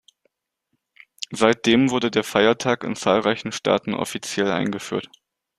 Seitdem wurde der Feiertag in zahlreichen Staaten offiziell eingeführt.